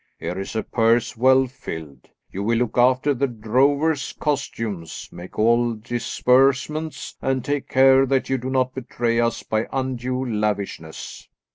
Here is a purse well filled. You will look after the drover's costumes, make all disbursements, and take care that you do not betray us by undue lavishness."